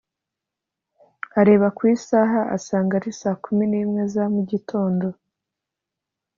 areba ku isaha asanga ari saa kumi n’imwe za mugitondo